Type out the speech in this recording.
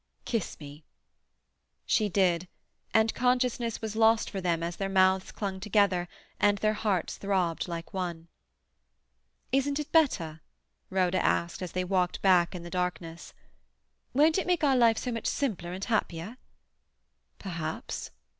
"Kiss me." She did, and consciousness was lost for them as their mouths clung together and their hearts throbbed like one. "Isn't it better?" Rhoda asked, as they walked back in the darkness. "Won't it make our life so much simpler and happier?" "Perhaps."